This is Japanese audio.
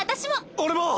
俺も！